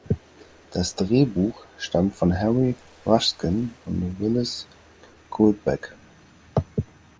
Das Drehbuch stammt von Harry Ruskin und Willis Goldbeck.